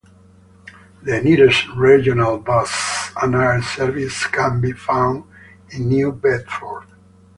The nearest regional bus and air service can be found in New Bedford.